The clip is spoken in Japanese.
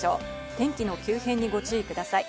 天気の急変にご注意ください。